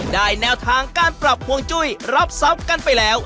แนวทางการปรับฮวงจุ้ยรับทรัพย์กันไปแล้ว